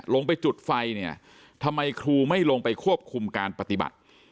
ลงไปจุดไฟเนี่ยทำไมครูไม่ลงไปควบคุมการปฏิบัติ